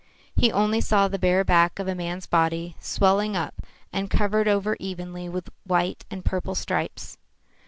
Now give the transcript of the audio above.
He only saw the bare back of a man's body swelling up and covered over evenly with white and purple stripes.